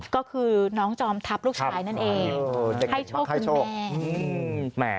ก็คือน้องจอมทัพลูกชายนั่นเองให้โชคคุณแม่